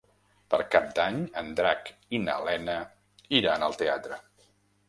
Per Cap d'Any en Drac i na Lena iran al teatre.